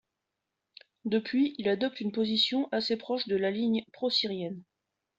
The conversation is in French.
Depuis, il adopte une position assez proche de la ligne prosyrienne.